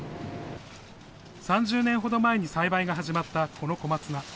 ３０年程前に栽培が始まったこの小松菜。